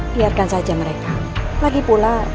biarkan saja mereka lagi pula